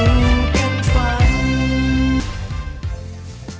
อย่าลืมเล่าสู่กันฟัง